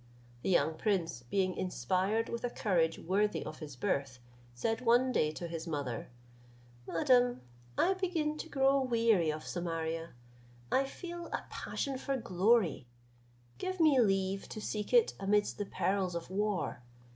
The young prince, being inspired with a courage worthy of his birth, said one day to his mother, "Madam, I begin to grow weary of Samaria; I feel a passion for glory; give me leave to seek it amidst the perils of war.